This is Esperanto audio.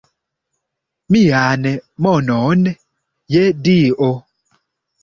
Mian monon, je Dio!